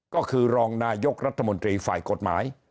ก็คือรองนายกรัฐมนตรีฝ่ายกฎหมาย